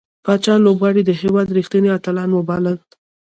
پاچا لوبغاړي د هيواد رښتينې اتلان وبلل .